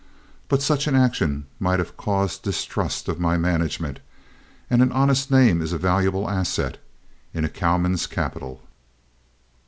But such an action might have caused distrust of my management, and an honest name is a valuable asset in a cowman's capital.